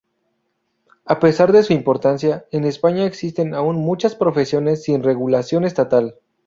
A pesar de su importancia, en España existen aún muchas profesiones sin regulación estatal.